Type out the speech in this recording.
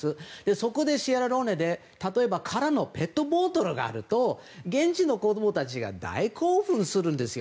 そこでシエラレオネで例えば空のペットボトルがあると現地の子供たちが大興奮するんですよ。